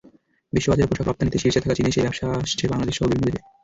বিশ্ববাজারে পোশাক রপ্তানিতে শীর্ষে থাকা চীনের সেই ব্যবসা আসছে বাংলাদেশসহ বিভিন্ন দেশে।